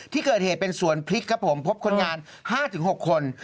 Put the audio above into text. ที่เกิดเหตุเป็นสวนพริกครับผมพบคนงาน๕๖คน